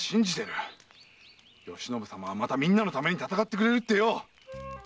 嘉信様はまたみんなのために闘ってくれるってよ！